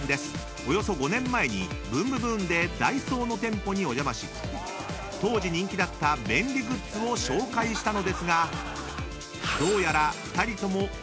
およそ５年前に『ブンブブーン！』でダイソーの店舗にお邪魔し当時人気だった便利グッズを紹介したのですがどうやら］